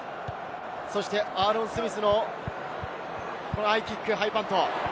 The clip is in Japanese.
そしてアーロン・スミスのハイパント。